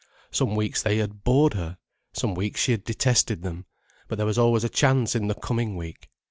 Some weeks they had bored her, some weeks she had detested them, but there was always a chance in the coming week.